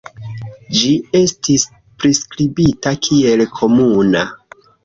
Ĝi estis priskribita kiel komuna.